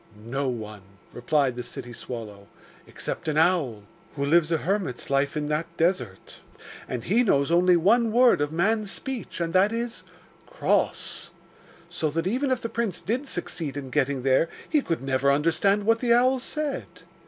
'No one,' replied the city swallow, 'except an owl, who lives a hermit's life in that desert, and he knows only one word of man's speech, and that is "cross." So that even if the prince did succeed in getting there, he could never understand what the owl said.